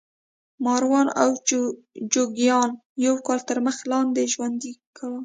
ماران او جوګیان یو کال تر مځکې لاندې ژوند کوي.